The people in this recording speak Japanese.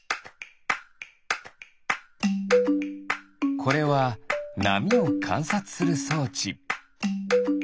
これはなみをかんさつするそうち。